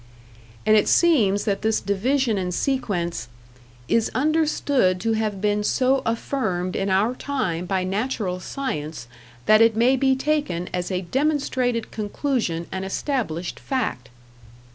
And it seems that this division and sequence "is understood to have been so affirmed in our time by natural science that it may be taken as a demonstrated conclusion and established fact."